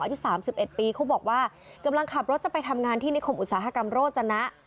อายุ๓๑ปีเขาบอกว่ากำลังขับรถจะไปทำงานที่นิคมอุตสาหกรรมโรจนะ